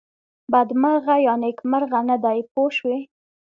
بدمرغه یا نېکمرغه نه دی پوه شوې!.